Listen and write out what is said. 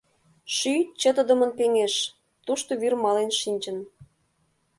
Шӱй чытыдымын пеҥеш, тушто вӱр мален шинчын.